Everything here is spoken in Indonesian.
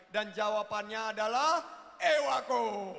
dan jawabannya adalah ewako